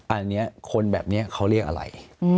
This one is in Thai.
อันนี้คนแบบนี้เขาเรียกอะไร